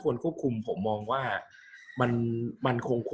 กับการสตรีมเมอร์หรือการทำอะไรอย่างเงี้ย